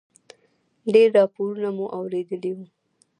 ډېر راپورونه مو اورېدلي و.